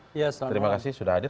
terima kasih sudah hadir